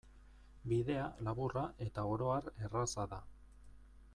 Bidea laburra eta oro har erraza da.